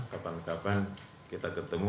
kapan kapan kita ketemu